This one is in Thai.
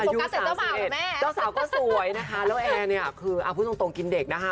อายุ๓๑เจ้าสาวก็สวยนะคะแล้วแอร์เนี่ยคือพูดจงตรงกินเด็กนะคะ